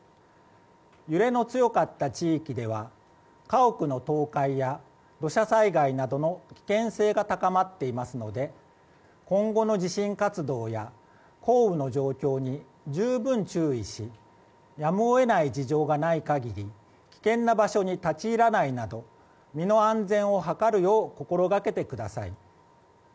揺れの強かった地域では家屋の倒壊や土砂災害などの危険性が高まっていますので今後の地震活動や降雨の状況に十分注意しやむを得ない事情がない限り危険な場所に立ち入らないなど身の安全を図るよう心がけてください。